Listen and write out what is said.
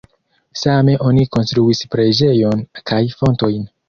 Same oni konstruis preĝejon kaj fontojn.